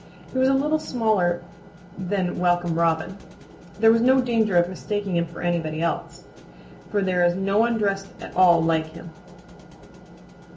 He was a little smaller than Welcome Robin. There was no danger of mistaking him for anybody else, for there is no one dressed at all like him.